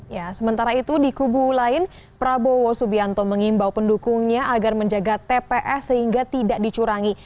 ya sementara itu di kubu lain prabowo subianto mengimbau pendukungnya agar menjaga tps sehingga tidak dicurangi